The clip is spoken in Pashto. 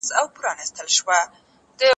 د جرګي فضا به تل له درناوي او صمیمیت څخه ډکه وه.